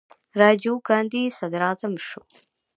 راجیو ګاندي صدراعظم شو.